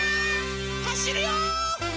はしるよ！